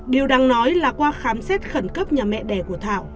điều đáng nói là qua khám xét khẩn cấp nhà mẹ đẻ của thảo